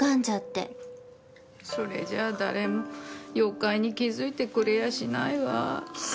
それじゃあ誰も妖怪に気づいてくれやしないわ。